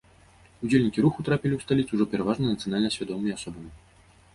Удзельнікі руху трапілі ў сталіцу ўжо пераважна нацыянальна свядомымі асобамі.